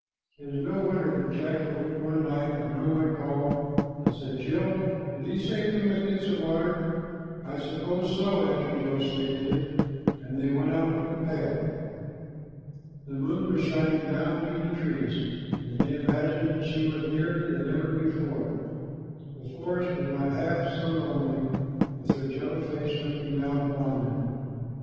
It is no wonder that Jack awoke one night when no one called and said, "Jill, did he say we must get some water?" "I suppose so," answered Jill sleepily, and they went out with the pail. The moon was shining down through the trees, and they imagined that she was nearer than ever before. The forest was not half so lonely with her gentle face looking down upon them.